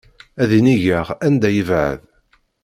Ad inigeɣ anda yebɛed.